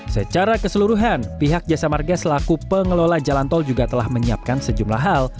secara keseluruhan pihak jasa marga selaku pengelola jalan tol juga telah menyiapkan sejumlah hal